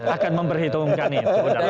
akan memperhitungkan itu